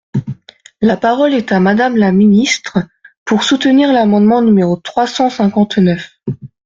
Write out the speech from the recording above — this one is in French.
La parole est à Madame la ministre, pour soutenir l’amendement numéro trois cent cinquante-neuf.